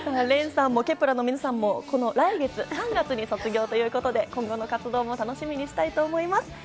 れんさんもケプラの皆さんも来月３月に卒業ということで、今後の活動も楽しみにしたいと思います。